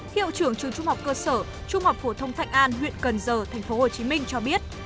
hiệu trưởng trường trung học cơ sở trung học phổ thông thạnh an huyện cần giờ thành phố hồ chí minh cho biết